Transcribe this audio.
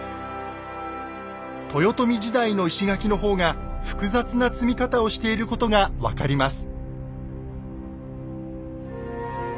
豊臣時代の石垣の方が複雑な積み方をしていることが分かります。